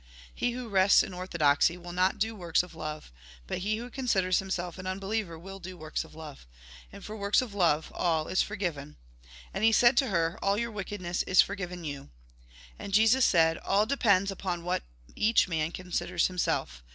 He who rests in orthodoxy will not do works of love, but he who considers himself an un believer will do works of love. And for works of love, all is forgiven." And he said to her :" All your wickedness is forgiven you." And Jesus said :" All depends upon what each man considers him self.